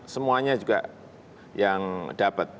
semuanya juga yang dapat